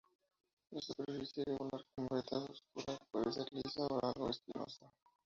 La superficie irregular, con vetas oscuras, puede ser lisa o algo espinosa.